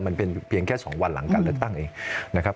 มันเป็นเพียงแค่๒วันหลังการเลือกตั้งเองนะครับ